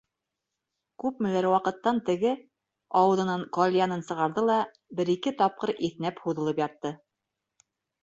Күпмелер ваҡыттан теге, ауыҙынан кальянын сығарҙы ла, бер-ике тапҡыр иҫнәп һуҙылып ятты.